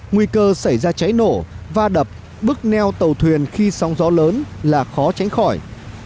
nguy cơ xảy ra cháy nổ va đập bức neo tàu thuyền khi sóng gió lớn là khó tránh khỏi